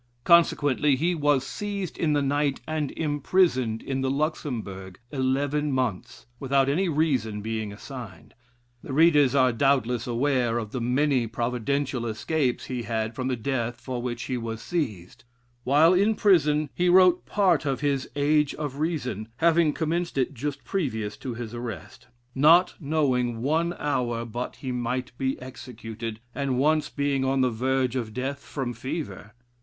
Consequently, he was seized in the night and imprisoned in the Luxembourg eleven months, without any reason being assigned. The readers are doubtless aware of the many Providential escapes he had from the death for which he was seized. While in prison he wrote part of his "Age of Reason," (having commenced it just previous to his arrest) not Knowing one hour but he might be executed, and once being on the verge of death from fever.